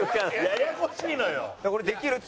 ややこしいのよ。